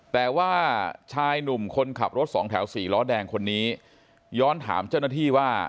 แต่ว่าชายหนุ่มคนขับรถสองแถวสี่ล้อแดงคนนี้ย้อนถามเจ้าหน้าที่ว่า